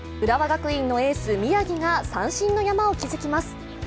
浦和学院のエース・宮城が三振の山を築きます。